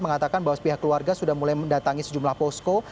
mengatakan bahwa pihak keluarga sudah mulai mendatangi sejumlah posko